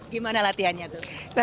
gimana latihannya tuh